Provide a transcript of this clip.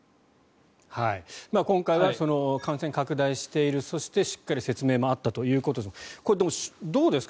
今回は感染拡大しているそしてしっかり説明もあったということですがでも、どうですか。